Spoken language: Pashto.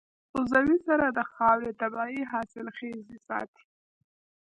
عضوي سرې د خاورې طبعي حاصلخېزي ساتي.